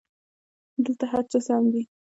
دلته هرڅه سم دي